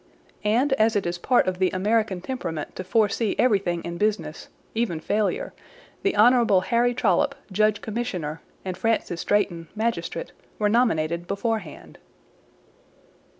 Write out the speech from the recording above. And as it is part of the American temperament to foresee everything in business, even failure, the Honorable Harry Trolloppe, judge commissioner, and Francis Drayton, magistrate, were nominated beforehand!